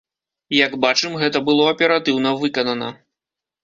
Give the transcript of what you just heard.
Як бачым, гэта было аператыўна выканана.